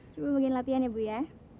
coba bikin latihan ya bu ya